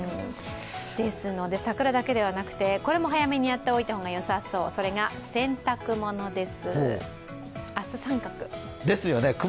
桜だけではなくて、これも早めにやっておいた方がよさそう、それが洗濯物です。